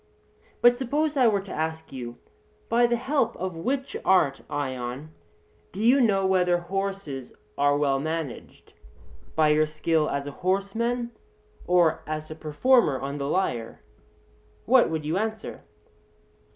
But suppose I were to ask you: By the help of which art, Ion, do you know whether horses are well managed, by your skill as a horseman or as a performer on the lyre what would you answer?